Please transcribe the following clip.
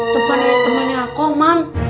temen temennya aku mam